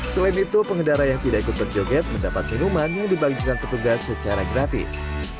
selain itu pengendara yang tidak ikut berjoget mendapat minuman yang dibagikan petugas secara gratis